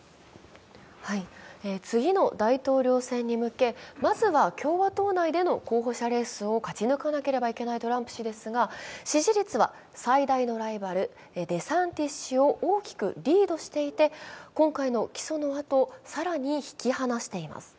次の大統領戦に向け、まずは共和党内での候補者レースを勝ち抜かなければならないトランプ氏ですが支持率は最大のライバル、デサンティス氏を大きくリードしていて今回の起訴のあと、更に引き離しています。